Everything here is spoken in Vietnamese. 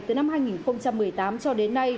từ năm hai nghìn một mươi tám cho đến nay